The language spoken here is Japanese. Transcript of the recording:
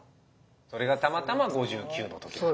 それがたまたま５９の時だったと。